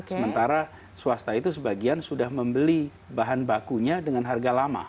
sementara swasta itu sebagian sudah membeli bahan bakunya dengan harga lama